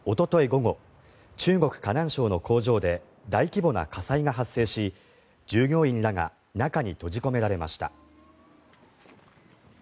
午後中国・河南省の工場で大規模な火災が発生し従業員らが中に閉じ込められました。